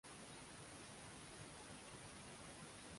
যা আগে কখনও সম্ভব ছিলো না।